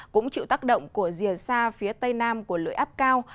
cũng chịu tác động của rìa xa phía tây nam của lưỡi áp cao